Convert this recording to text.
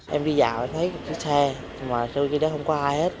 em đi dạo thấy một chiếc xe mà lúc đó không có ai hết